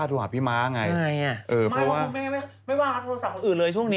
ส่วนไหนที่บริสุทธิ์